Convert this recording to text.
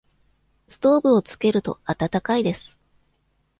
ストーブをつけると、暖かいです。